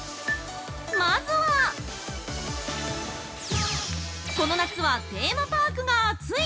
まずはこの夏はテーマパークがアツい！